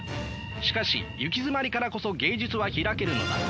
しかしゆきづまりからこそ芸術は開けるのだ。